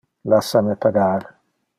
Lassa me pagar.